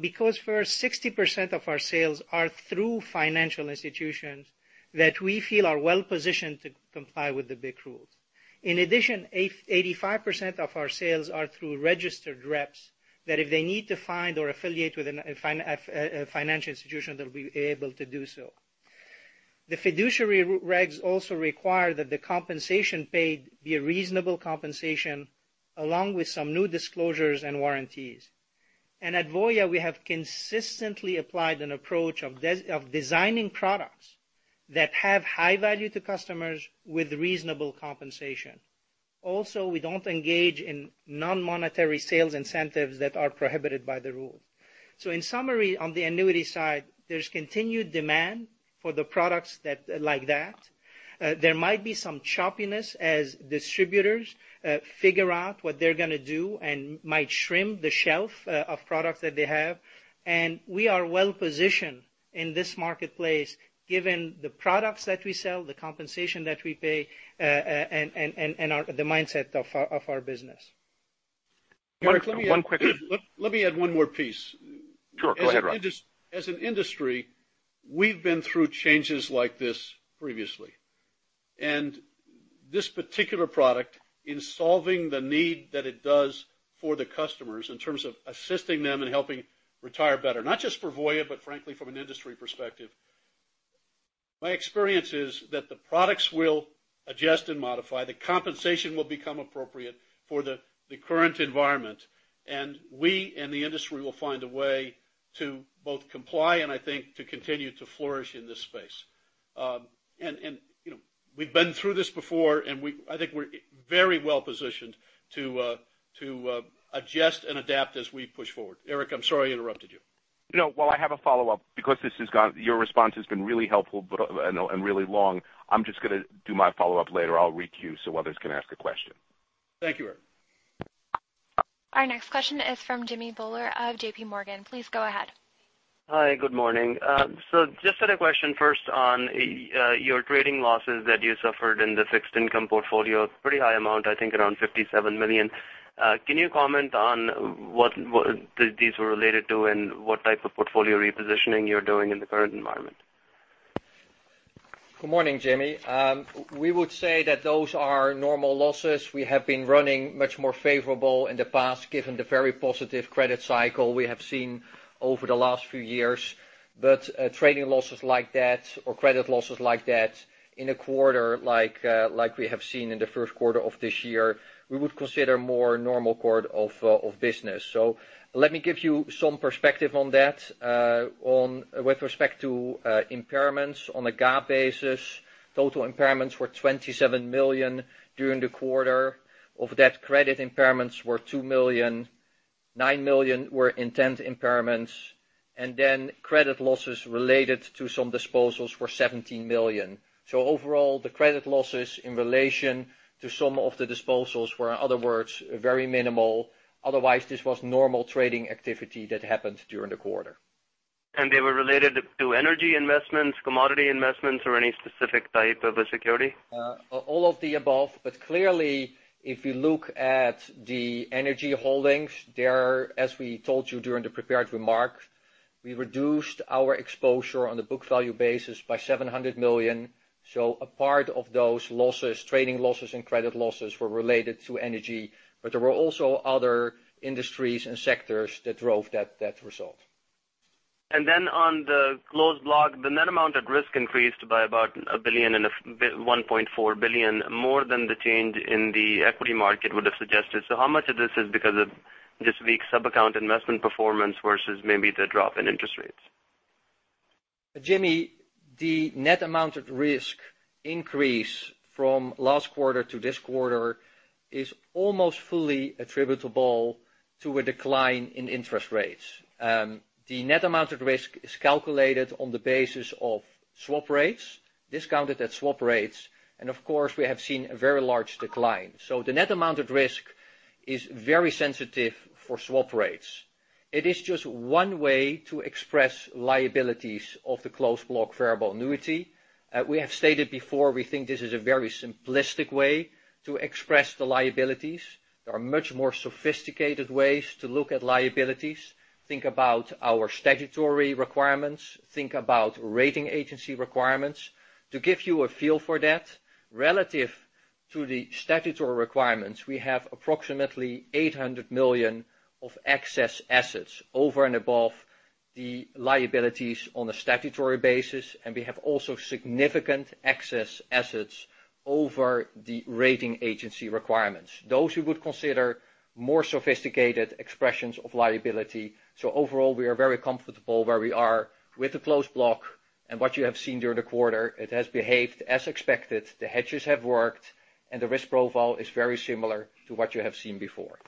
Because 60% of our sales are through financial institutions that we feel are well-positioned to comply with the BIC rules. In addition, 85% of our sales are through registered reps that if they need to find or affiliate with a financial institution, they'll be able to do so. The fiduciary regs also require that the compensation paid be a reasonable compensation along with some new disclosures and warranties. At Voya, we have consistently applied an approach of designing products that have high value to customers with reasonable compensation. Also, we don't engage in non-monetary sales incentives that are prohibited by the rule. In summary, on the annuity side, there's continued demand for the products like that. There might be some choppiness as distributors figure out what they're going to do and might trim the shelf of products that they have. We are well-positioned in this marketplace given the products that we sell, the compensation that we pay, and the mindset of our business. One quick- Let me add one more piece. Sure, go ahead, Rod. As an industry, we've been through changes like this previously, this particular product in solving the need that it does for the customers in terms of assisting them in helping retire better, not just for Voya, but frankly, from an industry perspective, my experience is that the products will adjust and modify, the compensation will become appropriate for the current environment, we and the industry will find a way to both comply and I think to continue to flourish in this space. We've been through this before, and I think we're very well-positioned to adjust and adapt as we push forward. Eric, I'm sorry I interrupted you. No. Well, I have a follow-up because your response has been really helpful and really long, I'm just going to do my follow-up later. I'll re-queue so others can ask a question. Thank you, Eric. Our next question is from Jimmy Bhullar of J.P. Morgan. Please go ahead. Good morning. Just had a question first on your trading losses that you suffered in the fixed income portfolio. Pretty high amount, I think around $57 million. Can you comment on what these were related to and what type of portfolio repositioning you're doing in the current environment? Good morning, Jimmy. We would say that those are normal losses. We have been running much more favorable in the past, given the very positive credit cycle we have seen over the last few years. Trading losses like that in a quarter like we have seen in the first quarter of this year, we would consider more normal course of business. Let me give you some perspective on that. With respect to impairments on a GAAP basis, total impairments were $27 million during the quarter. Of that, credit impairments were $2 million $9 million were intent impairments. Credit losses related to some disposals were $17 million. Overall, the credit losses in relation to some of the disposals were, in other words, very minimal. Otherwise, this was normal trading activity that happened during the quarter. They were related to energy investments, commodity investments, or any specific type of a security? All of the above. Clearly, if you look at the energy holdings, as we told you during the prepared remark, we reduced our exposure on the book value basis by $700 million. A part of those losses, trading losses and credit losses, were related to energy. There were also other industries and sectors that drove that result. On the closed block, the net amount at risk increased by about $1.4 billion, more than the change in the equity market would have suggested. How much of this is because of just weak sub-account investment performance versus maybe the drop in interest rates? Jimmy, the net amount at risk increase from last quarter to this quarter is almost fully attributable to a decline in interest rates. The net amount at risk is calculated on the basis of swap rates, discounted at swap rates, and of course, we have seen a very large decline. The net amount at risk is very sensitive for swap rates. It is just one way to express liabilities of the Closed Block Variable Annuity. We have stated before, we think this is a very simplistic way to express the liabilities. There are much more sophisticated ways to look at liabilities. Think about our statutory requirements, think about rating agency requirements. To give you a feel for that, relative to the statutory requirements, we have approximately $800 million of excess assets over and above the liabilities on a statutory basis, we have also significant excess assets over the rating agency requirements. Those we would consider more sophisticated expressions of liability. Overall, we are very comfortable where we are with the closed block and what you have seen during the quarter. It has behaved as expected. The hedges have worked, the risk profile is very similar to what you have seen before.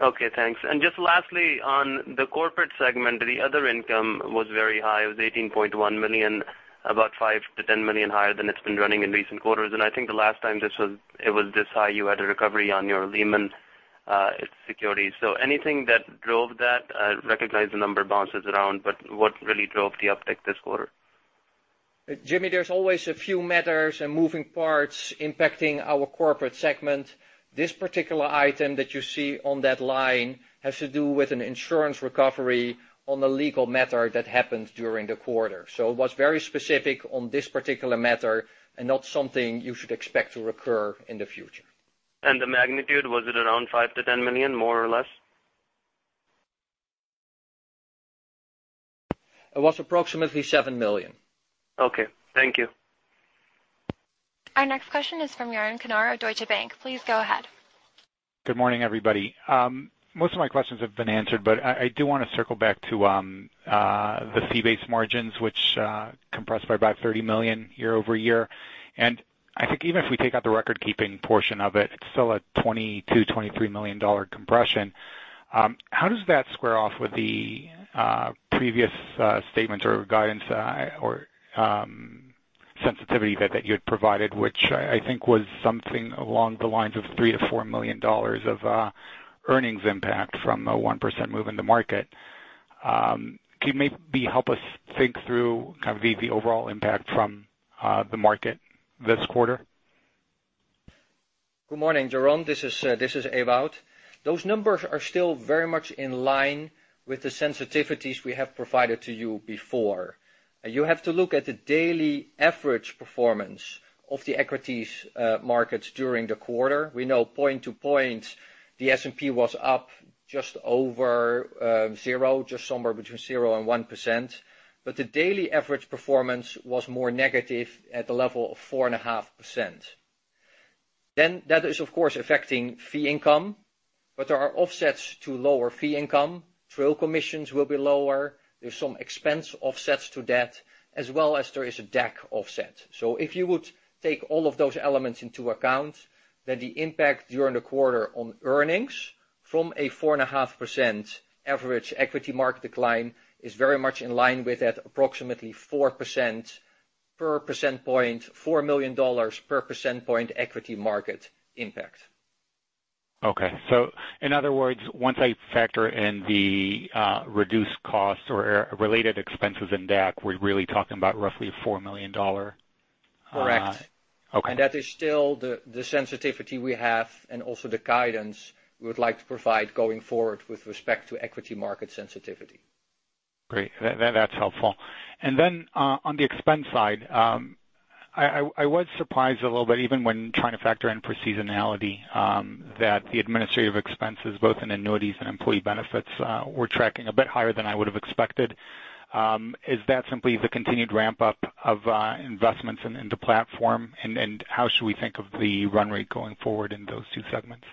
Okay, thanks. Just lastly, on the Corporate Segment, the other income was very high. It was $18.1 million, about $5 million-$10 million higher than it's been running in recent quarters. I think the last time it was this high, you had a recovery on your Lehman securities. Anything that drove that? I recognize the number bounces around, what really drove the uptick this quarter? Jimmy, there's always a few matters and moving parts impacting our Corporate Segment. This particular item that you see on that line has to do with an insurance recovery on a legal matter that happened during the quarter. It was very specific on this particular matter and not something you should expect to recur in the future. The magnitude, was it around $5 million-$10 million, more or less? It was approximately $7 million. Okay. Thank you. Our next question is from Yaron Kinar of Deutsche Bank. Please go ahead. Good morning, everybody. Most of my questions have been answered, I do want to circle back to the fee-based margins, which compressed by about $30 million year-over-year. I think even if we take out the record-keeping portion of it's still a $22 million, $23 million compression. How does that square off with the previous statement or guidance or sensitivity that you had provided, which I think was something along the lines of $3 million-$4 million of earnings impact from a 1% move in the market? Can you maybe help us think through kind of the overall impact from the market this quarter? Good morning, Yaron. This is Ewout. Those numbers are still very much in line with the sensitivities we have provided to you before. You have to look at the daily average performance of the equities markets during the quarter. We know point to point, the S&P was up just over zero, just somewhere between 0 and 1%, the daily average performance was more negative at the level of 4.5%. That is, of course, affecting fee income, there are offsets to lower fee income. Trail commissions will be lower. There's some expense offsets to that, as well as there is a DAC offset. If you would take all of those elements into account, then the impact during the quarter on earnings from a 4.5% average equity market decline is very much in line with that approximately 4% per percent point, $4 million per percent point equity market impact. In other words, once I factor in the reduced cost or related expenses in DAC, we're really talking about roughly a $4 million- Correct. Okay. That is still the sensitivity we have and also the guidance we would like to provide going forward with respect to equity market sensitivity. That's helpful. Then on the expense side, I was surprised a little bit, even when trying to factor in for seasonality, that the administrative expenses, both in annuities and employee benefits, were tracking a bit higher than I would have expected. Is that simply the continued ramp-up of investments in the platform? How should we think of the run rate going forward in those two segments?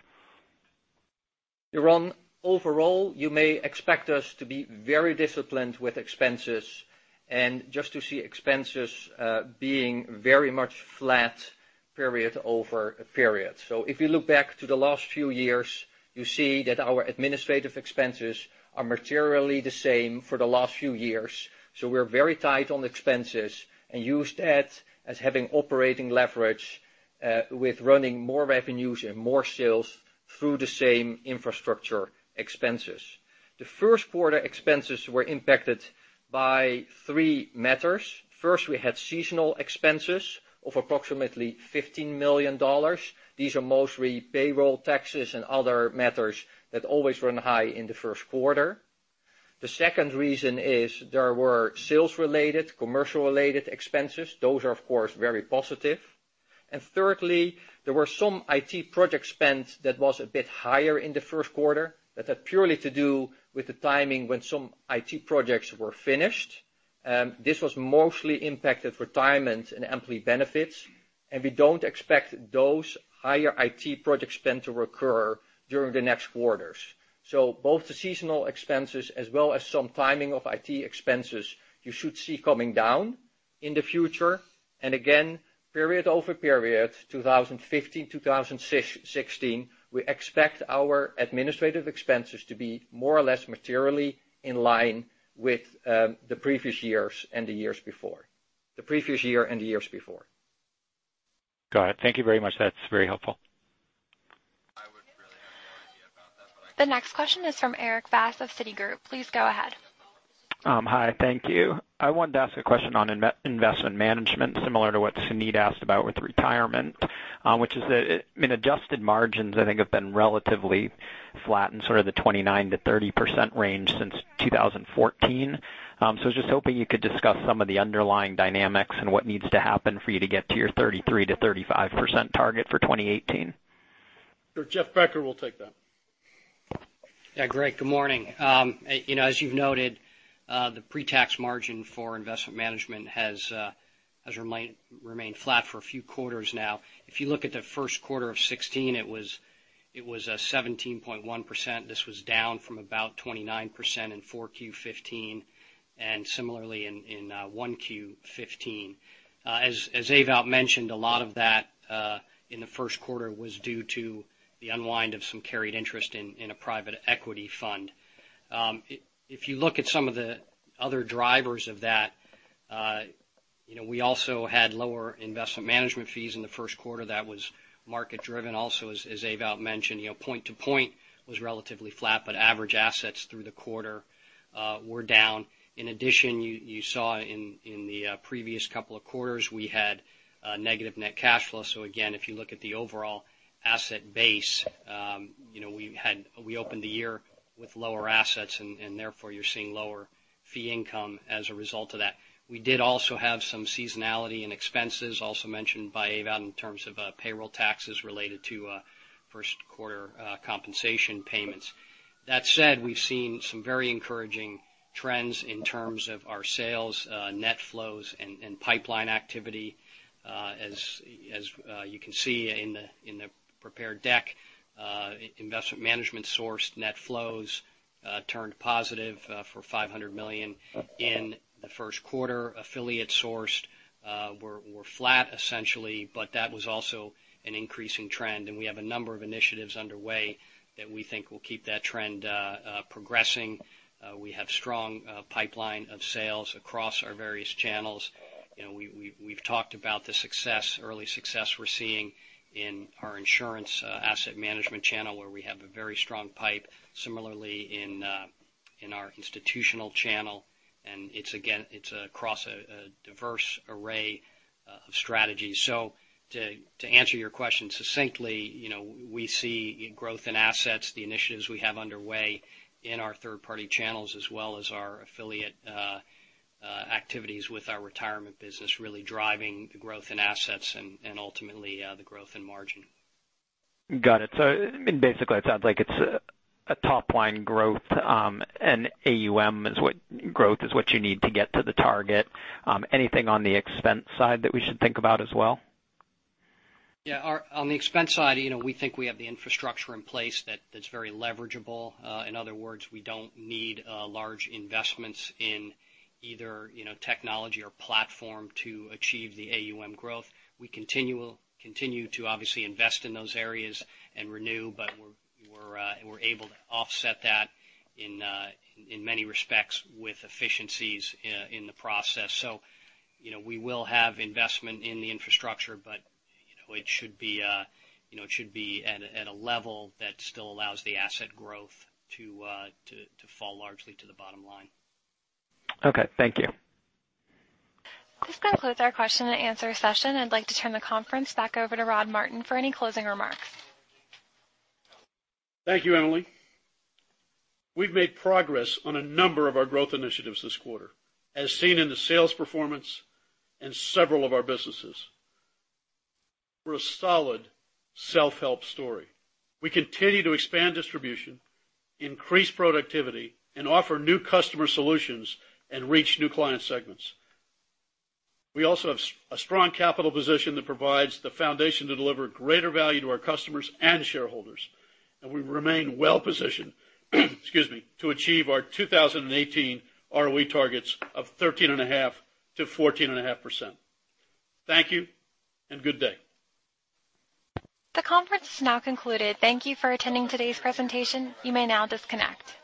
Yaron, overall, you may expect us to be very disciplined with expenses and just to see expenses being very much flat period over period. If you look back to the last few years, you see that our administrative expenses are materially the same for the last few years. We're very tight on expenses and use that as having operating leverage with running more revenues and more sales through the same infrastructure expenses. The first quarter expenses were impacted by three matters. First, we had seasonal expenses of approximately $15 million. These are mostly payroll taxes and other matters that always run high in the first quarter. The second reason is there were sales-related, commercial-related expenses. Those are, of course, very positive. Thirdly, there were some IT project spend that was a bit higher in the first quarter. That had purely to do with the timing when some IT projects were finished. This was mostly impact of retirement and employee benefits, and we don't expect those higher IT project spend to recur during the next quarters. Both the seasonal expenses as well as some timing of IT expenses, you should see coming down in the future. Again, period over period, 2015, 2016, we expect our administrative expenses to be more or less materially in line with the previous years and the years before. Got it. Thank you very much. That's very helpful. I would really have no idea about that. The next question is from Erik Bass of Citigroup. Please go ahead. Hi. Thank you. I wanted to ask a question on investment management, similar to what Suneet Kamath asked about with retirement, which is that in adjusted margins, I think have been relatively flat in sort of the 29%-30% range since 2014. I was just hoping you could discuss some of the underlying dynamics and what needs to happen for you to get to your 33%-35% target for 2018. Sure. Jeffrey Becker will take that. Yeah, Erik Bass, good morning. As you've noted, the pre-tax margin for investment management has remained flat for a few quarters now. If you look at the first quarter of 2016, it was 17.1%. This was down from about 29% in 4Q 2015 and similarly in 1Q 2015. As Ewout Steenbergen mentioned, a lot of that in the first quarter was due to the unwind of some carried interest in a private equity fund. If you look at some of the other drivers of that, we also had lower investment management fees in the first quarter that was market-driven also, as Ewout Steenbergen mentioned. Point to point was relatively flat, but average assets through the quarter were down. In addition, you saw in the previous couple of quarters, we had a negative net cash flow. Again, if you look at the overall asset base, we opened the year with lower assets, and therefore, you're seeing lower fee income as a result of that. We did also have some seasonality in expenses also mentioned by Ewout Steenbergen in terms of payroll taxes related to first quarter compensation payments. That said, we've seen some very encouraging trends in terms of our sales net flows and pipeline activity. As you can see in the prepared deck, investment management sourced net flows turned positive for $500 million in the first quarter. Affiliate sourced were flat, essentially, but that was also an increasing trend, and we have a number of initiatives underway that we think will keep that trend progressing. We have strong pipeline of sales across our various channels. We've talked about the early success we're seeing in our insurance asset management channel, where we have a very strong pipe. Similarly, in our institutional channel, and it's across a diverse array of strategies. To answer your question succinctly, we see growth in assets, the initiatives we have underway in our third-party channels as well as our affiliate activities with our retirement business really driving the growth in assets and ultimately, the growth in margin. Got it. Basically, it sounds like it's a top-line growth, and AUM growth is what you need to get to the target. Anything on the expense side that we should think about as well? Yeah. On the expense side, we think we have the infrastructure in place that's very leverageable. In other words, we don't need large investments in either technology or platform to achieve the AUM growth. We continue to obviously invest in those areas and renew, but we're able to offset that in many respects with efficiencies in the process. We will have investment in the infrastructure, but it should be at a level that still allows the asset growth to fall largely to the bottom line. Okay, thank you. This concludes our question and answer session. I'd like to turn the conference back over to Rod Martin for any closing remarks. Thank you, Emily. We've made progress on a number of our growth initiatives this quarter, as seen in the sales performance in several of our businesses. We're a solid self-help story. We continue to expand distribution, increase productivity, and offer new customer solutions and reach new client segments. We also have a strong capital position that provides the foundation to deliver greater value to our customers and shareholders, and we remain well-positioned excuse me, to achieve our 2018 ROE targets of 13.5%-14.5%. Thank you and good day. The conference is now concluded. Thank you for attending today's presentation. You may now disconnect.